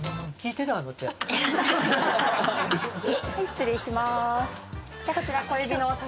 失礼します。